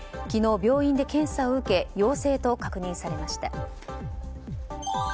昨日、病院で検査を受け陽性と確認されました。